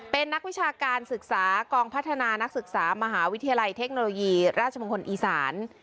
เป็นนักวิชาการศึกษากองพัฒนานักศึกษามหาวิทยาลัยเทคโนโลยีราชมงคลอีสาน